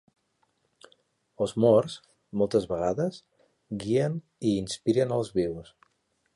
Els morts, moltes vegades, guien i inspiren als vius.